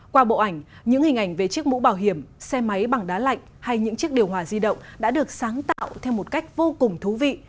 qua bộ ảnh những hình ảnh về chiếc mũ bảo hiểm xe máy bằng đá lạnh hay những chiếc điều hòa di động đã được sáng tạo theo một cách vô cùng thú vị